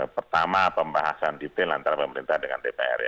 pertama pembahasan detail antara pemerintah dengan dpr